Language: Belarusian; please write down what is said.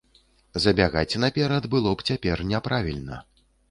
Забягаць наперад было б цяпер няправільна.